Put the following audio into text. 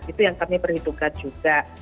itu yang kami perhitungkan juga